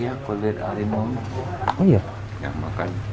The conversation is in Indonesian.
iya ianya adalahris cobit h gaming